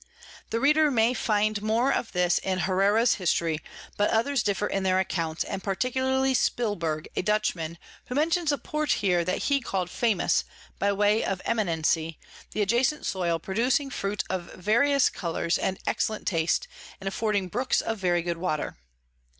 The Reader may find more of this in Herrera's History: but others differ in their Accounts, and particularly Spilberg a Dutchman, who mentions a Port here that he call'd Famous, by way of Eminency, the adjacent Soil producing Fruit of various Colours and excellent Taste, and affording Brooks of very good Water.